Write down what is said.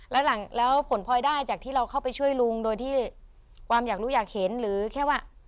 แล้วผลพลอยได้จากที่เราเข้าไปช่วยลุงโดยที่ความอยากรู้อยากเห็นหรือแค่ว่า